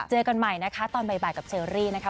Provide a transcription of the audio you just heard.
เจอกันใหม่นะคะตอนบ่ายกับเชอรี่นะคะ